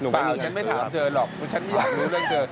เปล่าฉันไม่ถามเธอหรอกเพราะฉันไม่อยากรู้เรื่องเธอ